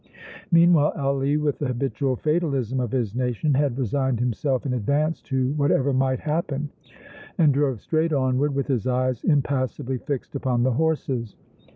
Meanwhile Ali, with the habitual fatalism of his nation, had resigned himself in advance to whatever might happen and drove straight onward with his eyes impassibly fixed upon the horses.